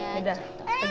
ya udah lagi sebentar